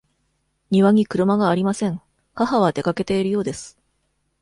庭に車がありません。母は出かけているようです。